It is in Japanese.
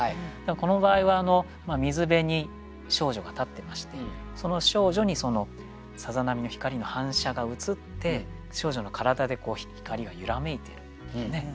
この場合は水辺に少女が立ってましてその少女にそのさざ波の光の反射が映って少女の体で光が揺らめいているっていうね。